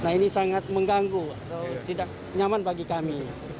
nah ini sangat mengganggu atau tidak nyaman bagi kami